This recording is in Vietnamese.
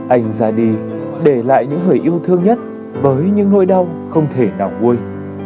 anh ra đi để lại những người yêu thương nhất với những nỗi đau không thể nào quê